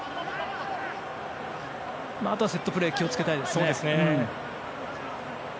あとはセットプレー気を付けたいですね。